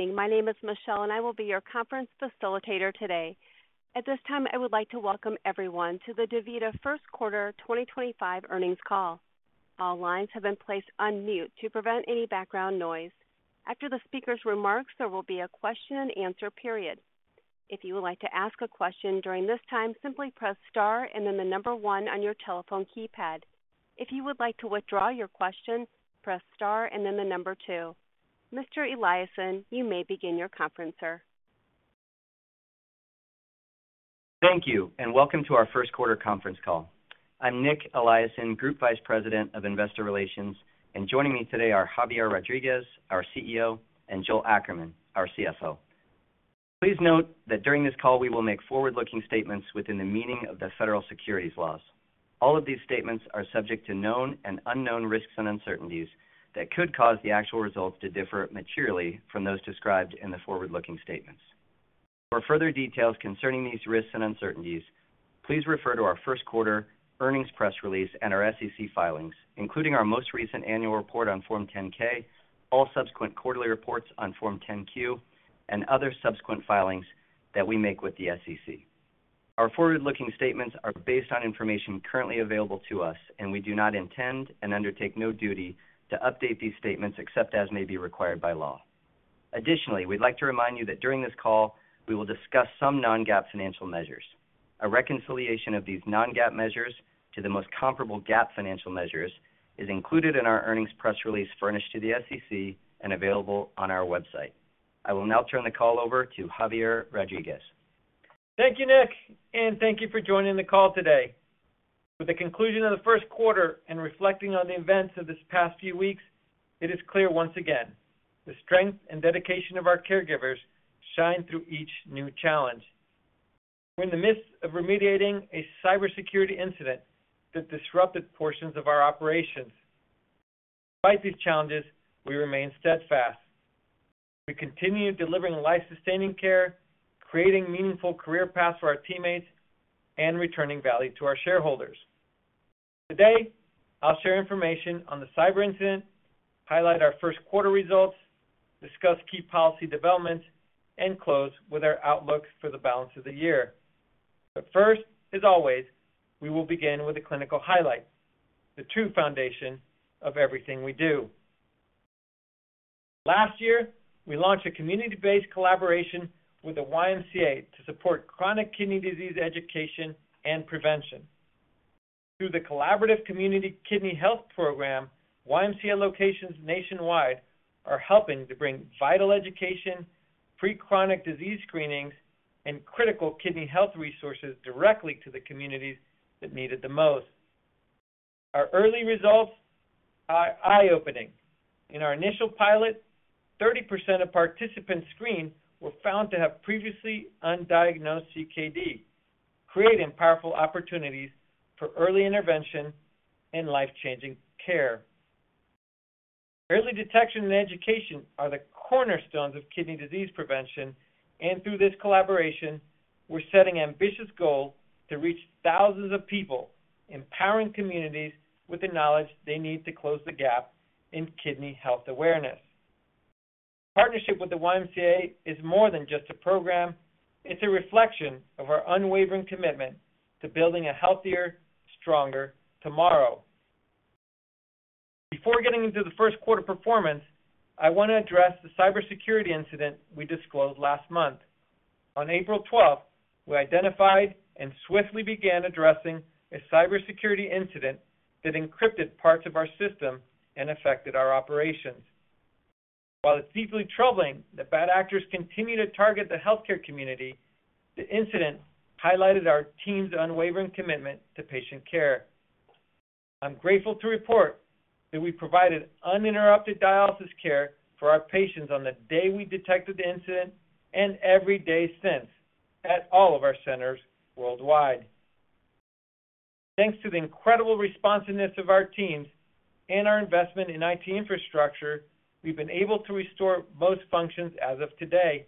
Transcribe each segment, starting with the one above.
Evening. My name is Michelle, and I will be your conference facilitator today. At this time, I would like to welcome everyone to the DaVita first quarter 2025 earnings call. All lines have been placed on mute to prevent any background noise. After the speaker's remarks, there will be a question-and-answer period. If you would like to ask a question during this time, simply press star and then the number one on your telephone keypad. If you would like to withdraw your question, press star and then the number two. Mr. Eliason, you may begin your conference, sir. Thank you, and welcome to our first quarter conference call. I'm Nic Eliason, Group Vice President of Investor Relations, and joining me today are Javier Rodriguez, our CEO, and Joel Ackerman, our CFO. Please note that during this call, we will make forward-looking statements within the meaning of the federal securities laws. All of these statements are subject to known and unknown risks and uncertainties that could cause the actual results to differ materially from those described in the forward-looking statements. For further details concerning these risks and uncertainties, please refer to our first quarter earnings press release and our SEC filings, including our most recent annual report on Form 10-K, all subsequent quarterly reports on Form 10-Q, and other subsequent filings that we make with the SEC. Our forward-looking statements are based on information currently available to us, and we do not intend and undertake no duty to update these statements except as may be required by law. Additionally, we'd like to remind you that during this call, we will discuss some non-GAAP financial measures. A reconciliation of these non-GAAP measures to the most comparable GAAP financial measures is included in our earnings press release furnished to the SEC and available on our website. I will now turn the call over to Javier Rodriguez. Thank you, Nic, and thank you for joining the call today. With the conclusion of the first quarter and reflecting on the events of this past few weeks, it is clear once again the strength and dedication of our caregivers shine through each new challenge. We're in the midst of remediating a cybersecurity incident that disrupted portions of our operations. Despite these challenges, we remain steadfast. We continue delivering life-sustaining care, creating meaningful career paths for our teammates, and returning value to our shareholders. Today, I'll share information on the cyber incident, highlight our first quarter results, discuss key policy developments, and close with our outlook for the balance of the year. First, as always, we will begin with a clinical highlight, the true foundation of everything we do. Last year, we launched a community-based collaboration with the YMCA to support chronic kidney disease education and prevention. Through the collaborative community kidney health program, YMCA locations nationwide are helping to bring vital education, pre-chronic disease screenings, and critical kidney health resources directly to the communities that need it the most. Our early results are eye-opening. In our initial pilot, 30% of participants screened were found to have previously undiagnosed CKD, creating powerful opportunities for early intervention and life-changing care. Early detection and education are the cornerstones of kidney disease prevention, and through this collaboration, we're setting ambitious goals to reach thousands of people, empowering communities with the knowledge they need to close the gap in kidney health awareness. Our partnership with the YMCA is more than just a program. It's a reflection of our unwavering commitment to building a healthier, stronger tomorrow. Before getting into the first quarter performance, I want to address the cybersecurity incident we disclosed last month. On April 12, we identified and swiftly began addressing a cybersecurity incident that encrypted parts of our system and affected our operations. While it's deeply troubling that bad actors continue to target the healthcare community, the incident highlighted our team's unwavering commitment to patient care. I'm grateful to report that we provided uninterrupted dialysis care for our patients on the day we detected the incident and every day since at all of our centers worldwide. Thanks to the incredible responsiveness of our teams and our investment in IT infrastructure, we've been able to restore most functions as of today.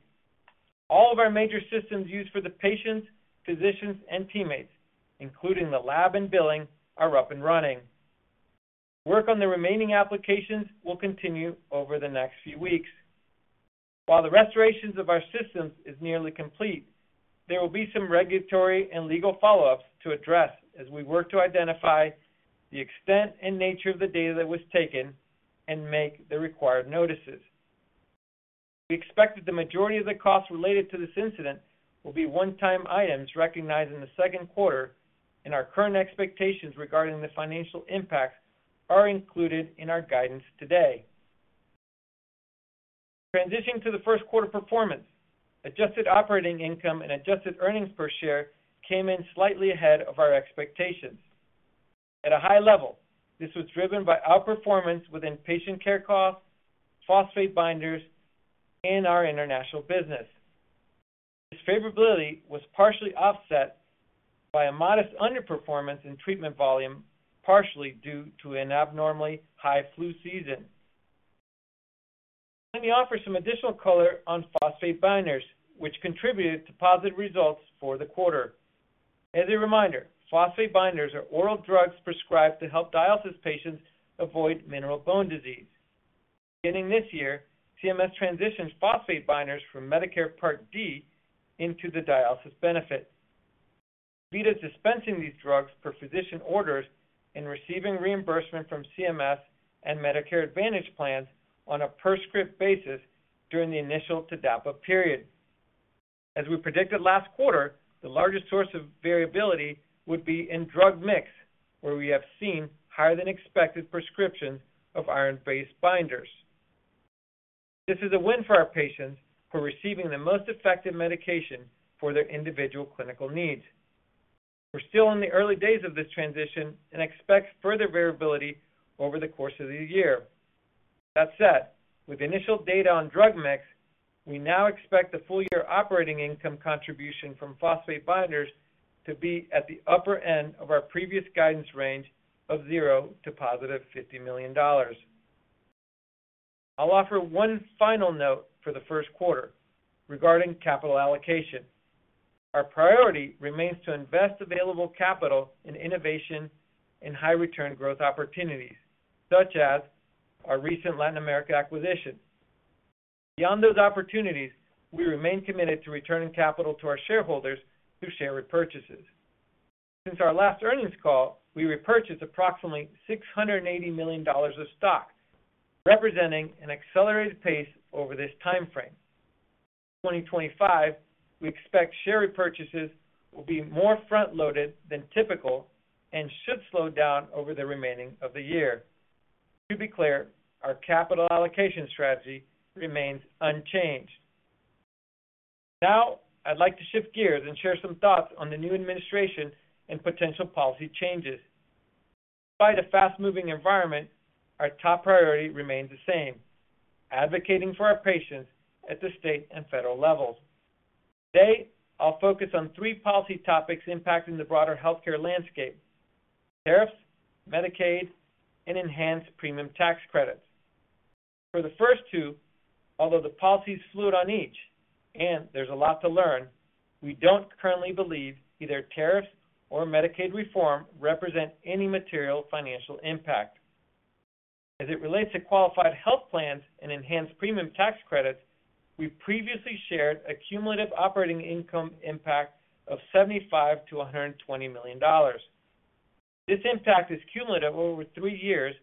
All of our major systems used for the patients, physicians, and teammates, including the lab and billing, are up and running. Work on the remaining applications will continue over the next few weeks. While the restoration of our systems is nearly complete, there will be some regulatory and legal follow-ups to address as we work to identify the extent and nature of the data that was taken and make the required notices. We expect that the majority of the costs related to this incident will be one-time items recognized in the second quarter, and our current expectations regarding the financial impact are included in our guidance today. Transitioning to the first quarter performance, adjusted operating income and adjusted earnings per share came in slightly ahead of our expectations. At a high level, this was driven by outperformance within patient care costs, phosphate binders, and our international business. This favorability was partially offset by a modest underperformance in treatment volume, partially due to an abnormally high flu season. Let me offer some additional color on phosphate binders, which contributed to positive results for the quarter. As a reminder, phosphate binders are oral drugs prescribed to help dialysis patients avoid mineral bone disease. Beginning this year, CMS transitioned phosphate binders from Medicare Part D into the dialysis benefit. DaVita is dispensing these drugs per physician orders and receiving reimbursement from CMS and Medicare Advantage plans on a per-script basis during the initial TDAPA period. As we predicted last quarter, the largest source of variability would be in drug mix, where we have seen higher-than-expected prescriptions of iron-based binders. This is a win for our patients for receiving the most effective medication for their individual clinical needs. We're still in the early days of this transition and expect further variability over the course of the year. That said, with initial data on drug mix, we now expect the full-year operating income contribution from phosphate binders to be at the upper end of our previous guidance range of zero to +$50 million. I'll offer one final note for the first quarter regarding capital allocation. Our priority remains to invest available capital in innovation and high-return growth opportunities, such as our recent Latin America acquisition. Beyond those opportunities, we remain committed to returning capital to our shareholders through share repurchases. Since our last earnings call, we repurchased approximately $680 million of stock, representing an accelerated pace over this timeframe. In 2025, we expect share repurchases will be more front-loaded than typical and should slow down over the remaining of the year. To be clear, our capital allocation strategy remains unchanged. Now, I'd like to shift gears and share some thoughts on the new administration and potential policy changes. Despite a fast-moving environment, our top priority remains the same: advocating for our patients at the state and federal levels. Today, I'll focus on three policy topics impacting the broader healthcare landscape: tariffs, Medicaid, and enhanced premium tax credits. For the first two, although the policies flew on each and there's a lot to learn, we don't currently believe either tariffs or Medicaid reform represent any material financial impact. As it relates to qualified health plans and enhanced premium tax credits, we previously shared a cumulative operating income impact of $75 million-$120 million. This impact is cumulative over three years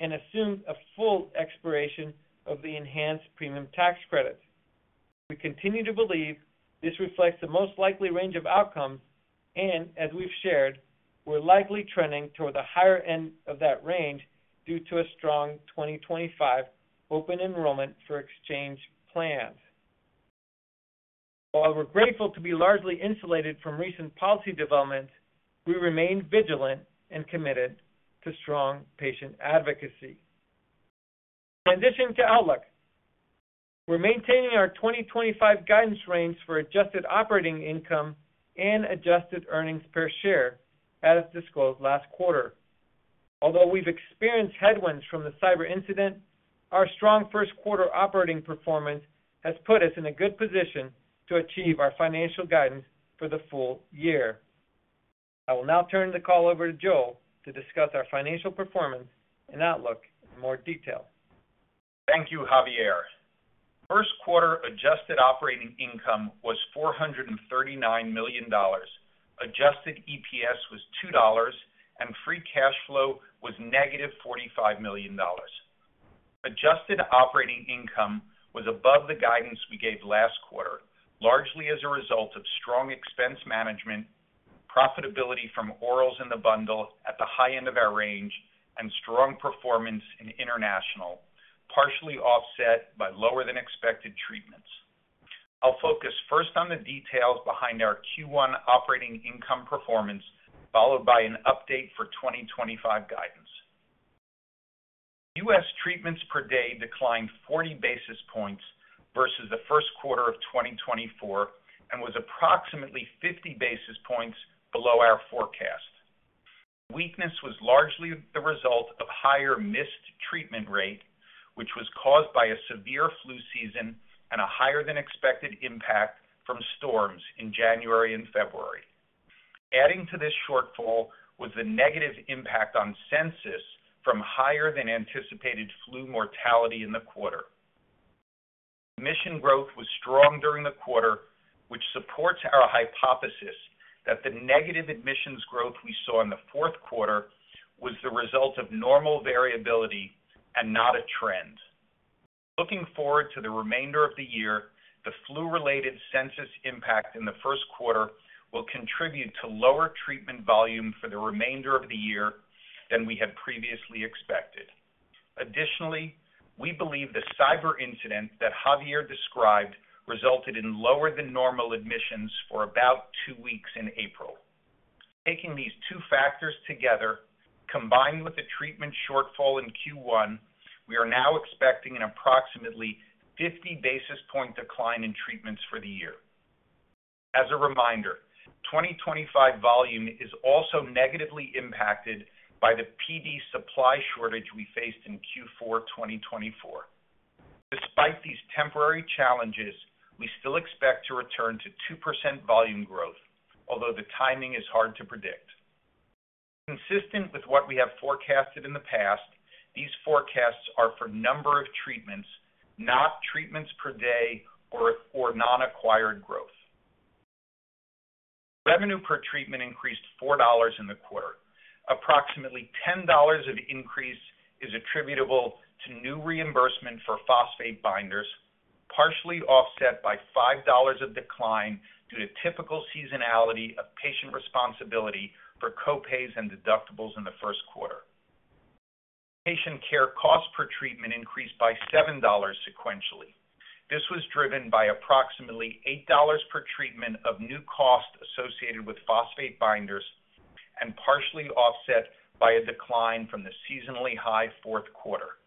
and assumes a full expiration of the enhanced premium tax credits. We continue to believe this reflects the most likely range of outcomes, and as we've shared, we're likely trending toward the higher end of that range due to a strong 2025 open enrollment for exchange plans. While we're grateful to be largely insulated from recent policy developments, we remain vigilant and committed to strong patient advocacy. Transitioning to outlook, we're maintaining our 2025 guidance range for adjusted operating income and adjusted earnings per share as disclosed last quarter. Although we've experienced headwinds from the cyber incident, our strong first quarter operating performance has put us in a good position to achieve our financial guidance for the full year. I will now turn the call over to Joel to discuss our financial performance and outlook in more detail. Thank you, Javier. First quarter adjusted operating income was $439 million. Adjusted EPS was $2, and free cash flow was -$45 million. Adjusted operating income was above the guidance we gave last quarter, largely as a result of strong expense management, profitability from orals in the bundle at the high end of our range, and strong performance in international, partially offset by lower-than-expected treatments. I'll focus first on the details behind our Q1 operating income performance, followed by an update for 2025 guidance. U.S. treatments per day declined 40 basis points versus the first quarter of 2024 and was approximately 50 basis points below our forecast. Weakness was largely the result of a higher missed treatment rate, which was caused by a severe flu season and a higher-than-expected impact from storms in January and February. Adding to this shortfall was the negative impact on census from higher-than-anticipated flu mortality in the quarter. Admission growth was strong during the quarter, which supports our hypothesis that the negative admissions growth we saw in the fourth quarter was the result of normal variability and not a trend. Looking forward to the remainder of the year, the flu-related census impact in the first quarter will contribute to lower treatment volume for the remainder of the year than we had previously expected. Additionally, we believe the cyber incident that Javier described resulted in lower-than-normal admissions for about two weeks in April. Taking these two factors together, combined with the treatment shortfall in Q1, we are now expecting an approximately 50 basis point decline in treatments for the year. As a reminder, 2025 volume is also negatively impacted by the PD supply shortage we faced in Q4 2024. Despite these temporary challenges, we still expect to return to 2% volume growth, although the timing is hard to predict. Consistent with what we have forecasted in the past, these forecasts are for a number of treatments, not treatments per day or non-acquired growth. Revenue per treatment increased $4 in the quarter. Approximately $10 of increase is attributable to new reimbursement for phosphate binders, partially offset by $5 of decline due to typical seasonality of patient responsibility for copays and deductibles in the first quarter. Patient care costs per treatment increased by $7 sequentially. This was driven by approximately $8 per treatment of new costs associated with phosphate binders and partially offset by a decline from the seasonally high fourth quarter.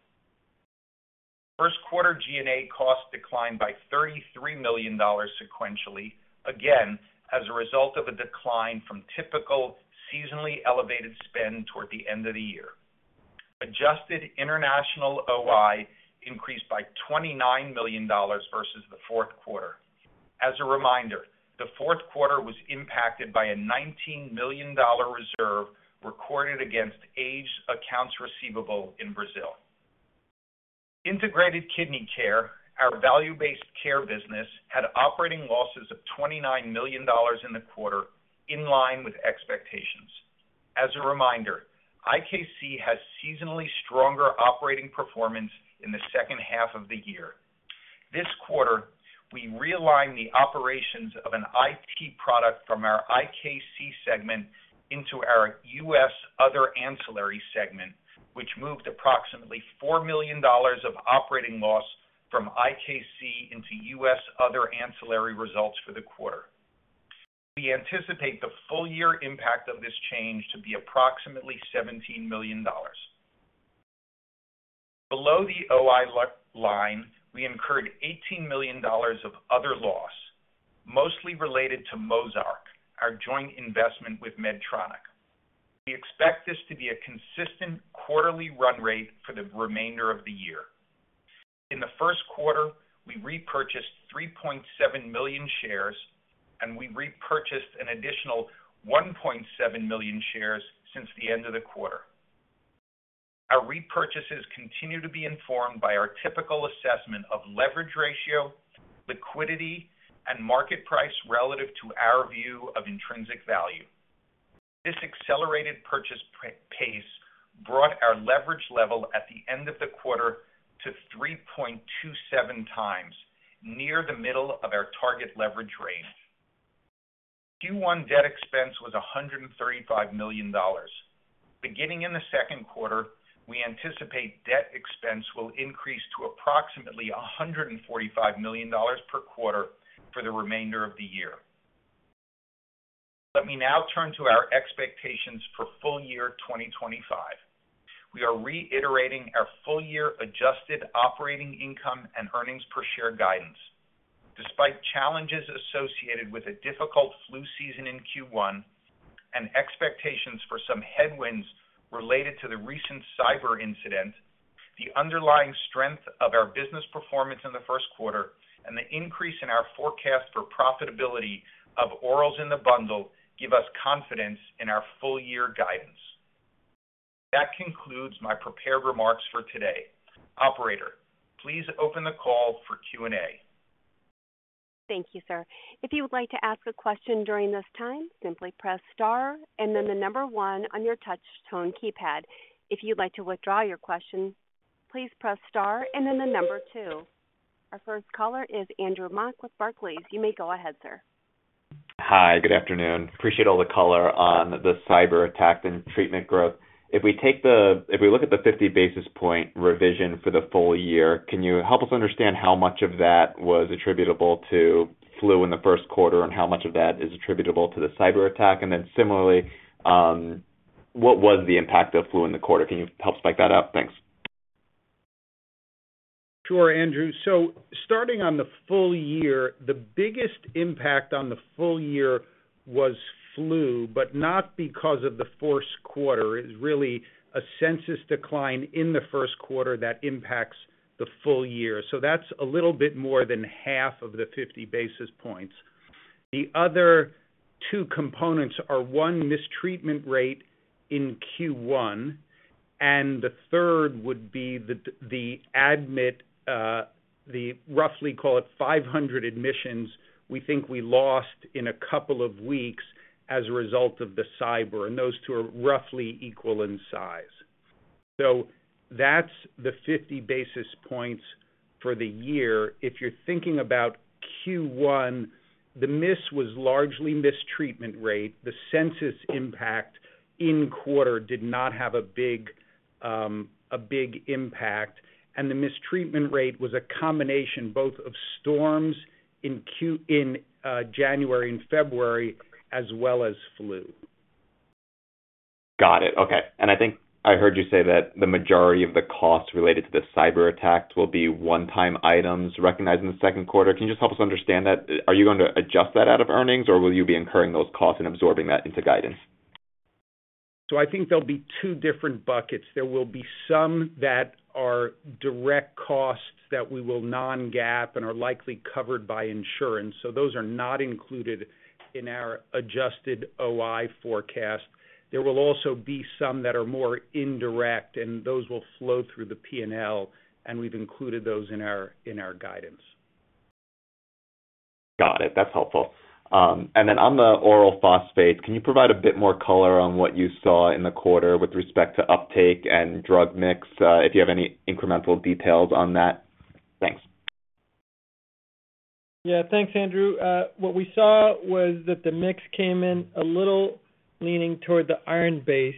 First quarter G&A costs declined by $33 million sequentially, again as a result of a decline from typical seasonally elevated spend toward the end of the year. Adjusted international OI increased by $29 million versus the fourth quarter. As a reminder, the fourth quarter was impacted by a $19 million reserve recorded against aged accounts receivable in Brazil. Integrated Kidney Care, our value-based care business, had operating losses of $29 million in the quarter, in line with expectations. As a reminder, IKC has seasonally stronger operating performance in the second half of the year. This quarter, we realigned the operations of an IT product from our IKC segment into our U.S. other ancillary segment, which moved approximately $4 million of operating loss from IKC into U.S. other ancillary results for the quarter. We anticipate the full-year impact of this change to be approximately $17 million. Below the OI line, we incurred $18 million of other loss, mostly related to Mozarc, our joint investment with Medtronic. We expect this to be a consistent quarterly run rate for the remainder of the year. In the first quarter, we repurchased 3.7 million shares, and we repurchased an additional 1.7 million shares since the end of the quarter. Our repurchases continue to be informed by our typical assessment of leverage ratio, liquidity, and market price relative to our view of intrinsic value. This accelerated purchase pace brought our leverage level at the end of the quarter to 3.27x, near the middle of our target leverage range. Q1 debt expense was $135 million. Beginning in the second quarter, we anticipate debt expense will increase to approximately $145 million per quarter for the remainder of the year. Let me now turn to our expectations for full year 2025. We are reiterating our full-year adjusted operating income and earnings per share guidance. Despite challenges associated with a difficult flu season in Q1 and expectations for some headwinds related to the recent cyber incident, the underlying strength of our business performance in the first quarter and the increase in our forecast for profitability of orals in the bundle give us confidence in our full-year guidance. That concludes my prepared remarks for today. Operator, please open the call for Q&A. Thank you, sir. If you would like to ask a question during this time, simply press star and then the number one on your touch-tone keypad. If you'd like to withdraw your question, please press star and then the number two. Our first caller is Andrew Mok with Barclays. You may go ahead, sir. Hi, good afternoon. Appreciate all the color on the cyber attack and treatment growth. If we take the—if we look at the 50 basis point revision for the full year, can you help us understand how much of that was attributable to flu in the first quarter and how much of that is attributable to the cyber attack? Similarly, what was the impact of flu in the quarter? Can you help spike that up? Thanks. Sure, Andrew. Starting on the full year, the biggest impact on the full year was flu, but not because of the fourth quarter. It was really a census decline in the first quarter that impacts the full year. That is a little bit more than half of the 50 basis points. The other two components are one, mistreatment rate in Q1, and the third would be the admit—the roughly, call it, 500 admissions we think we lost in a couple of weeks as a result of the cyber, and those two are roughly equal in size. That is the 50 basis points for the year. If you are thinking about Q1, the miss was largely mistreatment rate. The census impact in quarter did not have a big impact, and the mistreatment rate was a combination both of storms in January and February, as well as flu. Got it. Okay. I think I heard you say that the majority of the costs related to the cyber attack will be one-time items recognized in the second quarter. Can you just help us understand that? Are you going to adjust that out of earnings, or will you be incurring those costs and absorbing that into guidance? I think there'll be two different buckets. There will be some that are direct costs that we will non-GAAP and are likely covered by insurance. Those are not included in our adjusted OI forecast. There will also be some that are more indirect, and those will flow through the P&L, and we've included those in our guidance. Got it. That's helpful. On the oral phosphate, can you provide a bit more color on what you saw in the quarter with respect to uptake and drug mix? If you have any incremental details on that, thanks. Yeah, thanks, Andrew. What we saw was that the mix came in a little leaning toward the iron base.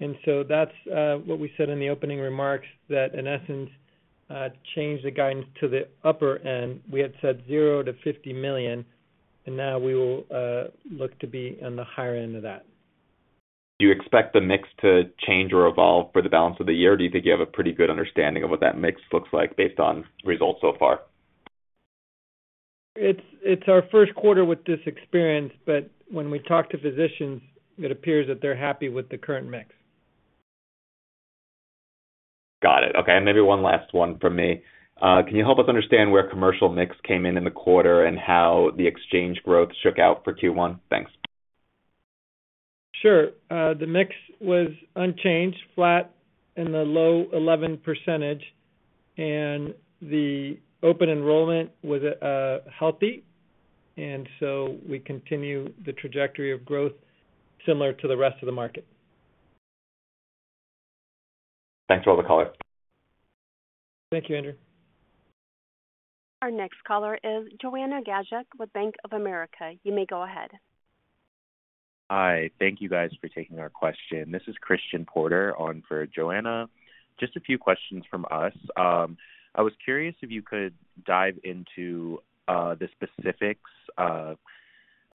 And so that's what we said in the opening remarks, that in essence, change the guidance to the upper end. We had said $0-$50 million, and now we will look to be on the higher end of that. Do you expect the mix to change or evolve for the balance of the year, or do you think you have a pretty good understanding of what that mix looks like based on results so far? It's our first quarter with this experience, but when we talk to physicians, it appears that they're happy with the current mix. Got it. Okay. Maybe one last one from me. Can you help us understand where commercial mix came in in the quarter and how the exchange growth shook out for Q1? Thanks. Sure. The mix was unchanged, flat in the low 11%, and the open enrollment was healthy. We continue the trajectory of growth similar to the rest of the market. Thanks for all the color. Thank you, Andrew. Our next caller is Joanna Gager with Bank of America. You may go ahead. Hi. Thank you guys for taking our question. This is Christian Porter on for Joanna. Just a few questions from us. I was curious if you could dive into the specifics of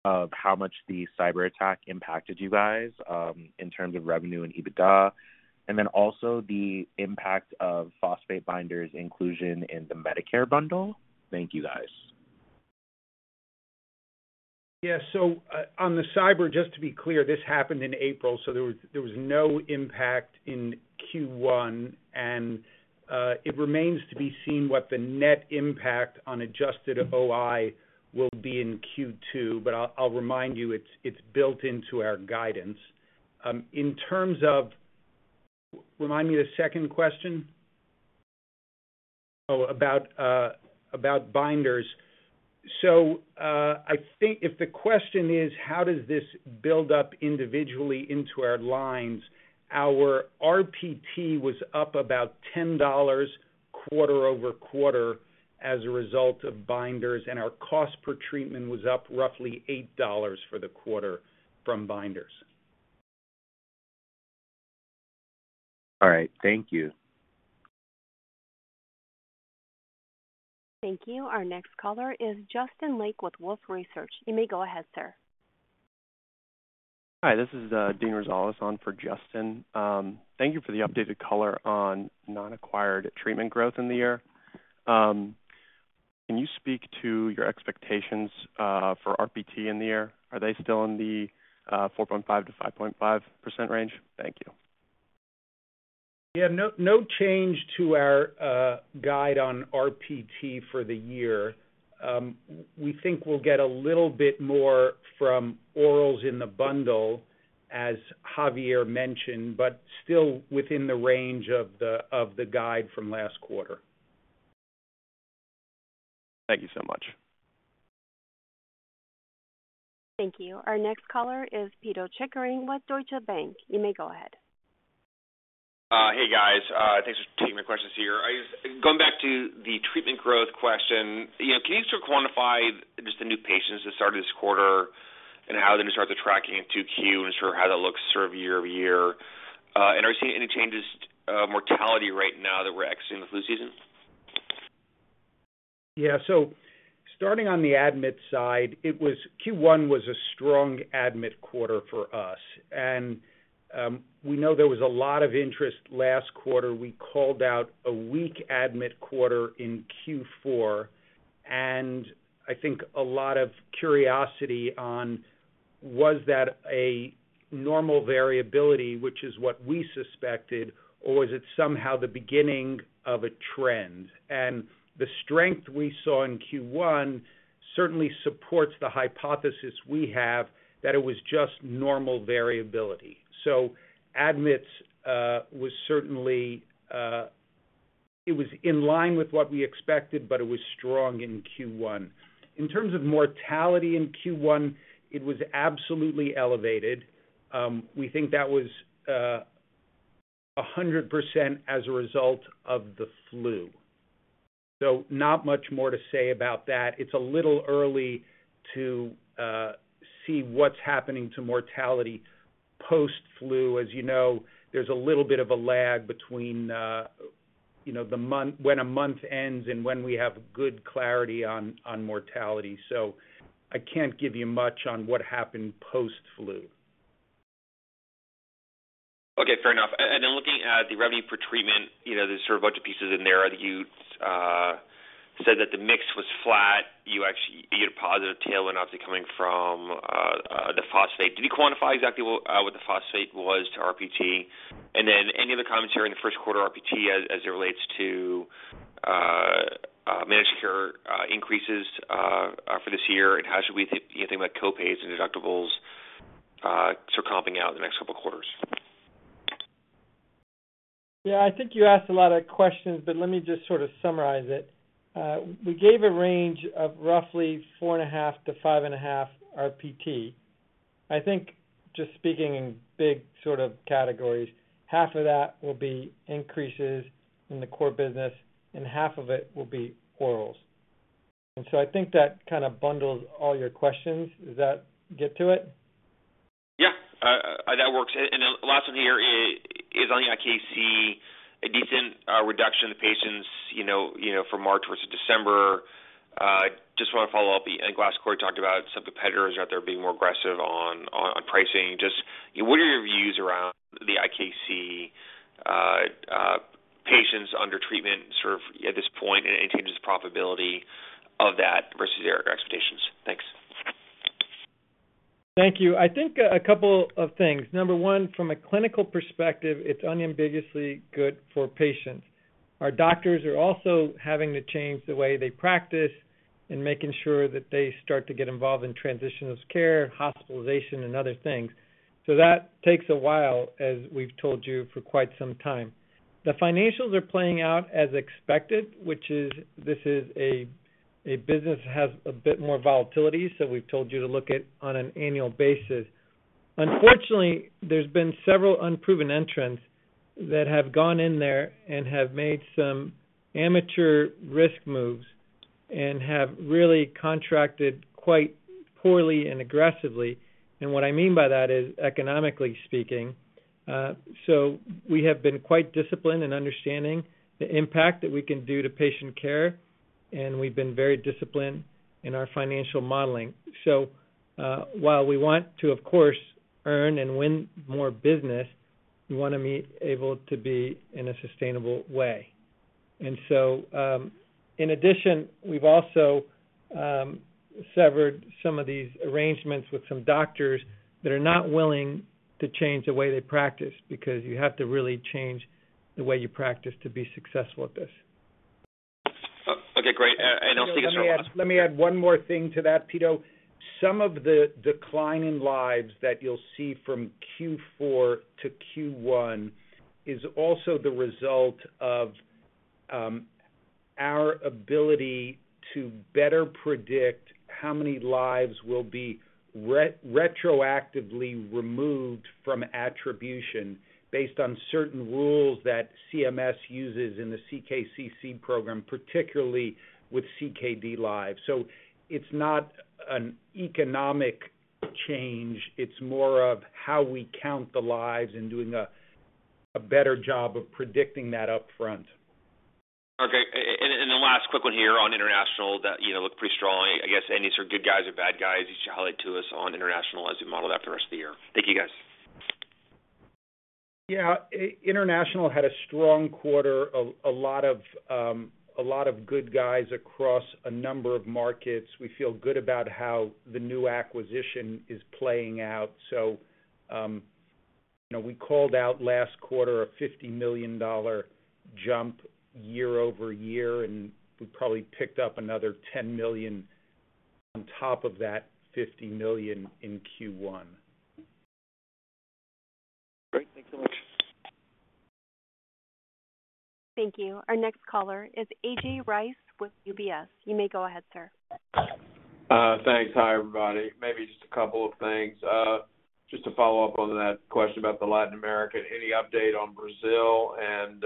how much the cyber attack impacted you guys in terms of revenue and EBITDA, and then also the impact of phosphate binders inclusion in the Medicare bundle. Thank you, guys. Yeah. So on the cyber, just to be clear, this happened in April, so there was no impact in Q1, and it remains to be seen what the net impact on adjusted OI will be in Q2. I'll remind you, it's built into our guidance. In terms of—remind me the second question—oh, about binders. I think if the question is, how does this build up individually into our lines, our RPT was up about $10 quarter-over-quarter as a result of binders, and our cost per treatment was up roughly $8 for the quarter from binders. All right. Thank you. Thank you. Our next caller is Justin Lake with Wolfe Research. You may go ahead, sir. Hi. This is Dean Rosales on for Justin. Thank you for the updated color on non-acquired treatment growth in the year. Can you speak to your expectations for RPT in the year? Are they still in the 4.5%-5.5% range? Thank you. Yeah. No change to our guide on RPT for the year. We think we'll get a little bit more from orals in the bundle, as Javier mentioned, but still within the range of the guide from last quarter. Thank you so much. Thank you. Our next caller is Pito Chickering with Deutsche Bank. You may go ahead. Hey, guys. Thanks for taking my questions here. Going back to the treatment growth question, can you sort of quantify just the new patients that started this quarter and how they started tracking in 2Q and sort of how that looks sort of year-over-year? Are you seeing any changes in mortality right now that we're exiting the flu season? Yeah. Starting on the admit side, Q1 was a strong admit quarter for us. We know there was a lot of interest last quarter. We called out a weak admit quarter in Q4, and I think a lot of curiosity on, was that a normal variability, which is what we suspected, or was it somehow the beginning of a trend? The strength we saw in Q1 certainly supports the hypothesis we have that it was just normal variability. Admits was certainly—it was in line with what we expected, but it was strong in Q1. In terms of mortality in Q1, it was absolutely elevated. We think that was 100% as a result of the flu. Not much more to say about that. It's a little early to see what's happening to mortality post-flu as you know. There's a little bit of a lag between when a month ends and when we have good clarity on mortality. So I can't give you much on what happened post-flu. Okay. Fair enough. Looking at the revenue per treatment, there's sort of a bunch of pieces in there. You said that the mix was flat. You had a positive tailwind obviously coming from the phosphate. Did you quantify exactly what the phosphate was to RPT? Any other comments here in the first quarter RPT as it relates to managed care increases for this year? How should we think about copays and deductibles sort of comping out in the next couple of quarters? Yeah. I think you asked a lot of questions, but let me just sort of summarize it. We gave a range of roughly 4.5%-5.5% RPT. I think just speaking in big sort of categories, half of that will be increases in the core business, and half of it will be orals. I think that kind of bundles all your questions. Does that get to it? Yeah. That works. The last one here is on the IKC, a decent reduction in the patients from March versus December. Just want to follow up. In the last quarter, you talked about some competitors out there being more aggressive on pricing. Just what are your views around the IKC patients under treatment sort of at this point and changes the probability of that versus their expectations? Thanks. Thank you. I think a couple of things. Number one, from a clinical perspective, it's unambiguously good for patients. Our doctors are also having to change the way they practice and making sure that they start to get involved in transitional care, hospitalization, and other things. That takes a while, as we've told you, for quite some time. The financials are playing out as expected, which is this is a business that has a bit more volatility, so we've told you to look at on an annual basis. Unfortunately, there's been several unproven entrants that have gone in there and have made some amateur risk moves and have really contracted quite poorly and aggressively. What I mean by that is economically speaking. We have been quite disciplined in understanding the impact that we can do to patient care, and we've been very disciplined in our financial modeling. While we want to, of course, earn and win more business, we want to be able to be in a sustainable way. In addition, we've also severed some of these arrangements with some doctors that are not willing to change the way they practice because you have to really change the way you practice to be successful at this. Okay. Great. I'll stick with. Let me add one more thing to that, Pito. Some of the decline in lives that you'll see from Q4 to Q1 is also the result of our ability to better predict how many lives will be retroactively removed from attribution based on certain rules that CMS uses in the CKCC program, particularly with CKD lives. It's not an economic change. It's more of how we count the lives and doing a better job of predicting that upfront. Okay. And then last quick one here on international that looked pretty strong. I guess any sort of good guys or bad guys you should highlight to us on international as we model that for the rest of the year. Thank you, guys. Yeah. International had a strong quarter, a lot of good guys across a number of markets. We feel good about how the new acquisition is playing out. We called out last quarter a $50 million jump year-over-year, and we probably picked up another $10 million on top of that $50 million in Q1. Great. Thanks so much. Thank you. Our next caller is AJ Rice with UBS. You may go ahead, sir. Thanks. Hi, everybody. Maybe just a couple of things. Just to follow up on that question about the Latin American, any update on Brazil and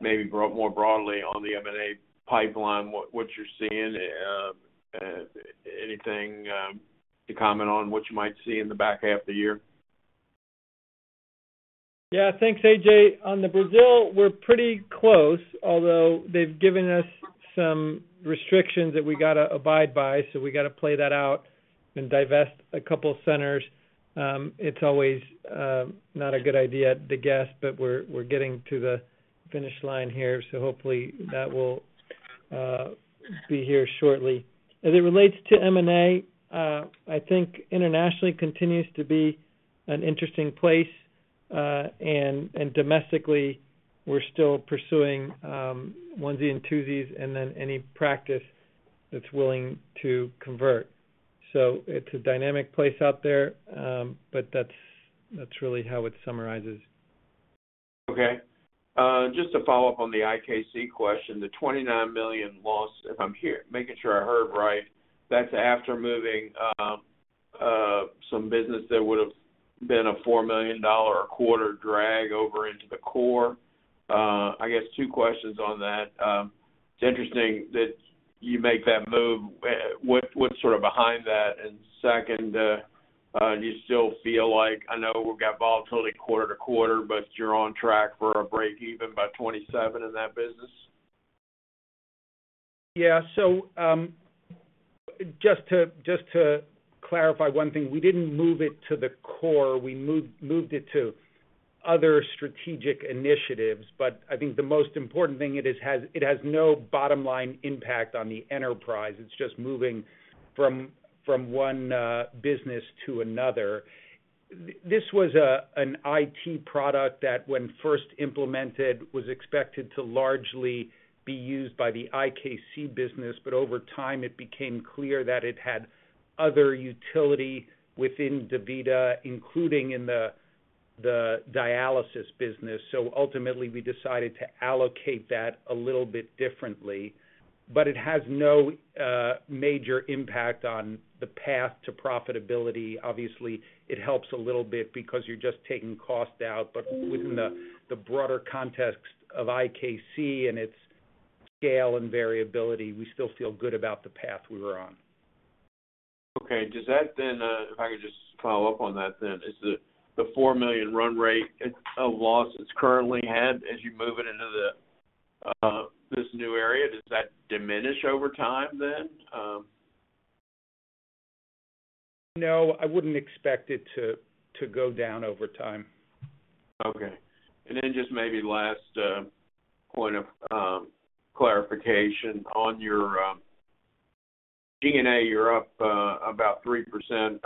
maybe more broadly on the M&A pipeline, what you're seeing? Anything to comment on what you might see in the back half of the year? Yeah. Thanks, AJ. On the Brazil, we're pretty close, although they've given us some restrictions that we got to abide by. So we got to play that out and divest a couple of centers. It's not always a good idea to guess, but we're getting to the finish line here, so hopefully that will be here shortly. As it relates to M&A, I think internationally continues to be an interesting place. And domestically, we're still pursuing onesies and twosies and then any practice that's willing to convert. So it's a dynamic place out there, but that's really how it summarizes. Okay. Just to follow up on the IKC question, the $29 million loss, if I'm making sure I heard right, that's after moving some business that would have been a $4 million a quarter drag over into the core. I guess two questions on that. It's interesting that you make that move. What's sort of behind that? Second, do you still feel like I know we've got volatility quarter to quarter, but you're on track for a break even by 2027 in that business? Yeah. So just to clarify one thing, we did not move it to the core. We moved it to other strategic initiatives. I think the most important thing is it has no bottom-line impact on the enterprise. It is just moving from one business to another. This was an IT product that when first implemented was expected to largely be used by the IKC business, but over time it became clear that it had other utility within DaVita, including in the dialysis business. Ultimately, we decided to allocate that a little bit differently. It has no major impact on the path to profitability. Obviously, it helps a little bit because you are just taking cost out. Within the broader context of IKC and its scale and variability, we still feel good about the path we were on. Okay. Does that then if I could just follow up on that then, is the $4 million run rate of loss it's currently had as you move it into this new area, does that diminish over time then? No. I wouldn't expect it to go down over time. Okay. And then just maybe last point of clarification on your G&A, you're up about 3%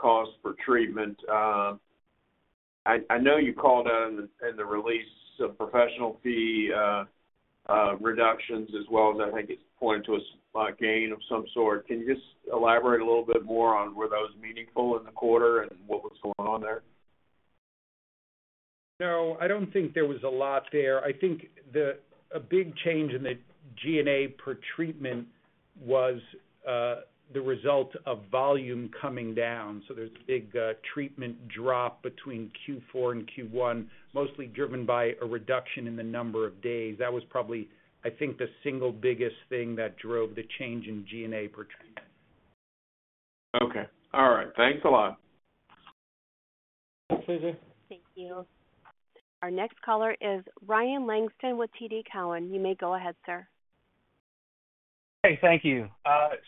cost per treatment. I know you called out in the release professional fee reductions as well as I think it's pointing to a gain of some sort. Can you just elaborate a little bit more on were those meaningful in the quarter and what was going on there? No. I do not think there was a lot there. I think a big change in the G&A per treatment was the result of volume coming down. There is a big treatment drop between Q4 and Q1, mostly driven by a reduction in the number of days. That was probably, I think, the single biggest thing that drove the change in G&A per treatment. Okay. All right. Thanks a lot. Thanks, AJ. Thank you. Our next caller is Ryan Langston with TD Cowen. You may go ahead, sir. Hey. Thank you.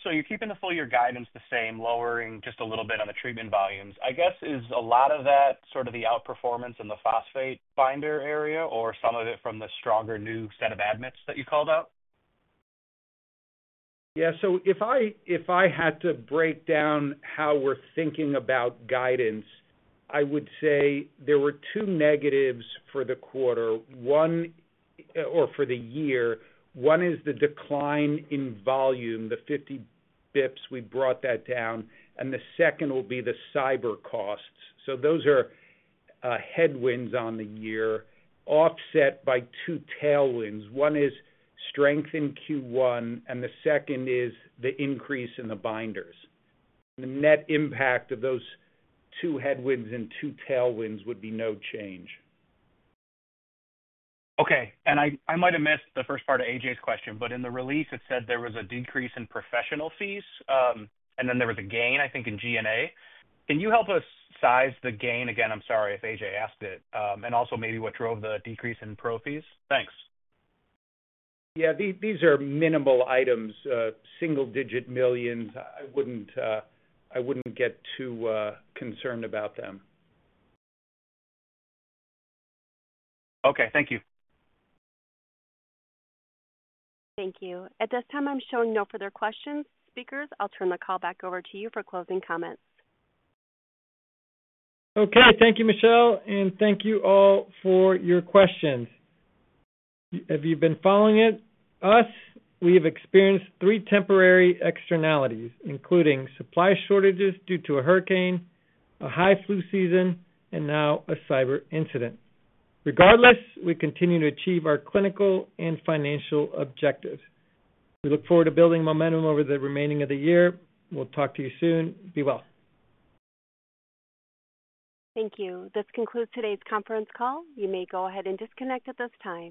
So you're keeping the full year guidance the same, lowering just a little bit on the treatment volumes. I guess is a lot of that sort of the outperformance in the phosphate binder area or some of it from the stronger new set of admits that you called out? Yeah. If I had to break down how we're thinking about guidance, I would say there were two negatives for the quarter or for the year. One is the decline in volume, the 50 bps we brought that down. The second will be the cyber costs. Those are headwinds on the year offset by two tailwinds. One is strength in Q1, and the second is the increase in the binders. The net impact of those two headwinds and two tailwinds would be no change. Okay. I might have missed the first part of AJ's question, but in the release, it said there was a decrease in professional fees, and then there was a gain, I think, in G&A. Can you help us size the gain again? I'm sorry if AJ asked it. Also maybe what drove the decrease in pro fees? Thanks. Yeah. These are minimal items, single-digit millions. I wouldn't get too concerned about them. Okay. Thank you. Thank you. At this time, I'm showing no further questions. Speakers, I'll turn the call back over to you for closing comments. Okay. Thank you, Michelle. Thank you all for your questions. Have you been following us? We have experienced three temporary externalities, including supply shortages due to a hurricane, a high flu season, and now a cyber incident. Regardless, we continue to achieve our clinical and financial objectives. We look forward to building momentum over the remaining of the year. We'll talk to you soon. Be well. Thank you. This concludes today's conference call. You may go ahead and disconnect at this time.